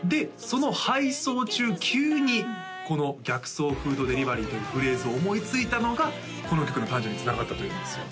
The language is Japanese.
その配送中急にこの「逆走フードデリバリー」というフレーズを思いついたのがこの曲の誕生につながったというんですよ